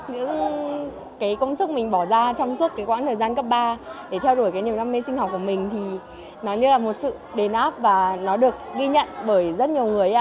những công sức mình bỏ ra trong suốt quãng thời gian cấp ba để theo đuổi niềm văn minh sinh học của mình thì nó như là một sự đền áp và nó được ghi nhận bởi rất nhiều người